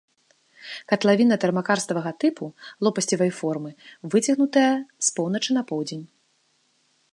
Катлавіна тэрмакарставага тыпу, лопасцевай формы, выцягнутая з поўначы на поўдзень.